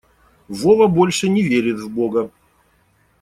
Вова больше не верит в бога.